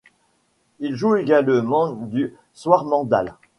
Il joue également du swarmandal.